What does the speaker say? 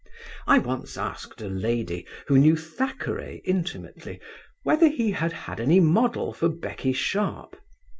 I once asked a lady, who knew Thackeray intimately, whether he had had any model for Becky Sharp.